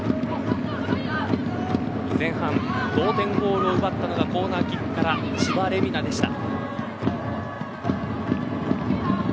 前半、同点ゴールを奪ったのがコーナーキックから千葉玲海菜でした。